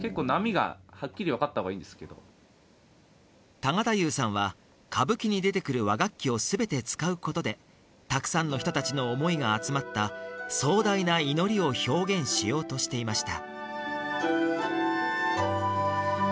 多賀太夫さんは歌舞伎に出てくる和楽器を全て使うことでたくさんの人達の思いが集まった壮大な祈りを表現しようとしていました